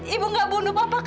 ibu gak bunuh papa kamu